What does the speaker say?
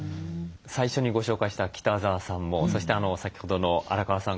最初にご紹介した北澤さんもそして先ほどの荒川さんご夫妻もですね